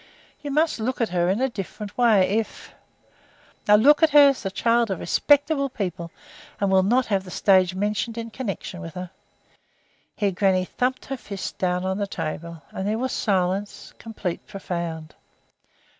You must look at her in a different way. If " "I look at her as the child of respectable people, and will not have the stage mentioned in connection with her." Here Grannie thumped her fist down on the table and there was silence, complete, profound.